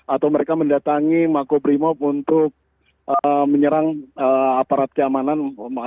atau mereka mendatangi mako primo untuk menyerang aparat keamanan